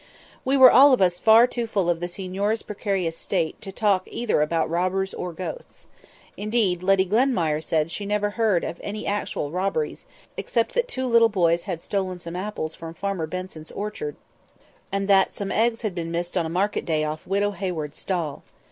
We were all of us far too full of the signor's precarious state to talk either about robbers or ghosts. Indeed, Lady Glenmire said she never had heard of any actual robberies, except that two little boys had stolen some apples from Farmer Benson's orchard, and that some eggs had been missed on a market day off Widow Hayward's stall.